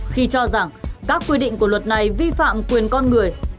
khi cho rằng các quy định của luật này vi phạm quyền con người